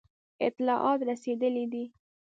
اطلاعات رسېدلي دي.